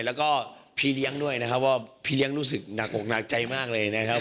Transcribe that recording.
แล้วก็พี่เลี้ยงด้วยนะครับว่าพี่เลี้ยงรู้สึกหนักอกหนักใจมากเลยนะครับ